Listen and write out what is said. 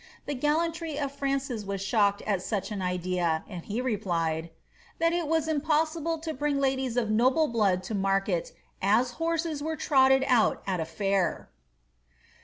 The giiUantry of Francis was shocked at Hiich nn idea, and he replied, ^^ that it was impossible to bring ladiei of nr)bIo blood to market as horses were trotted out at a (air.